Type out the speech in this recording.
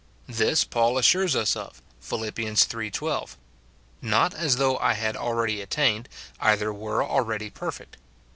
This Paul assures us of, Phil, iii. 12, " Not as though I had already attained, either were already perfect."